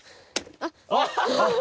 「あっ！」